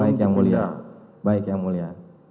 baik yang mulia baik yang mulia